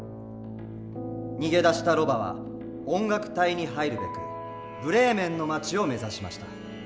逃げ出したロバは音楽隊に入るべくブレーメンの街を目指しました。